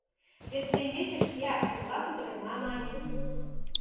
Вет теҥгече шкеак «Эрла кутырена» мане.